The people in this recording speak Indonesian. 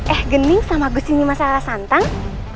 eh gening sama gus ini masalah santan